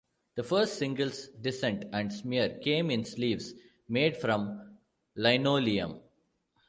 The first singles, "Dissent" and "Smear", came in sleeves made from linoleum.